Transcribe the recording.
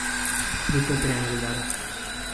Fruto triangular.